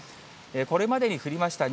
これまでに降りました